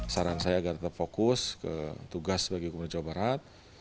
saran saya agar tetap fokus ke tugas bagi gubernur jawa barat